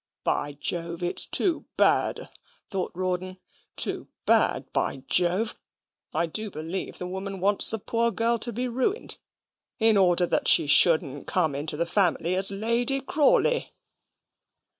"By Jove, it's too bad," thought Rawdon, "too bad, by Jove! I do believe the woman wants the poor girl to be ruined, in order that she shouldn't come into the family as Lady Crawley."